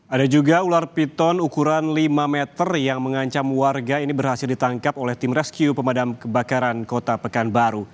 ada juga ular piton ukuran lima meter yang mengancam warga ini berhasil ditangkap oleh tim rescue pemadam kebakaran kota pekanbaru